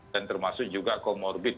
dan termasuk juga comorbid